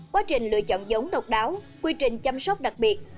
quá trình lựa chọn giống độc đáo quy trình chăm sóc đặc biệt